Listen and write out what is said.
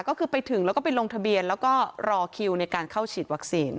ก็คือไปถึงแล้วก็ไปลงทะเบียนแล้วก็รอคิวในการเข้าฉีดวัคซีน